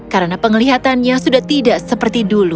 karena pengelihatannya sudah tidak seperti dulu